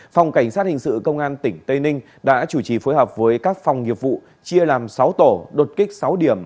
phòng cảnh sát hình sự công an tỉnh tây ninh đã chủ trì phối hợp với các phòng nghiệp vụ chia làm sáu tổ đột kích sáu điểm